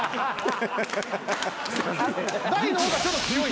大の方がちょっと強い。